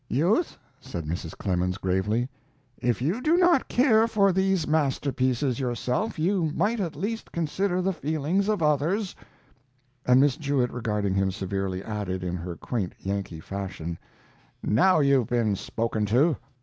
"Youth," said Mrs. Clemens, gravely, "if you do not care for these masterpieces yourself, you might at least consider the feelings of others"; and Miss Jewett, regarding him severely, added, in her quaint Yankee fashion: "Now, you've been spoke to!"